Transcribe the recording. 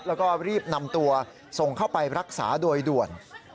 แล้วก็รีบนำตัวส่งเข้าไปรักษาโดยด่วน